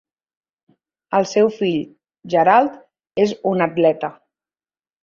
El seu fill, Gerald, és un atleta.